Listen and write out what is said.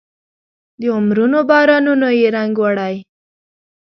د عمرونو بارانونو یې رنګ وړی